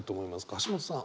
橋本さん。